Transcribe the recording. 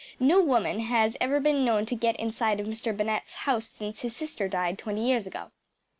No woman has ever been known to get inside of Mr. Bennett’s house since his sister died twenty years ago.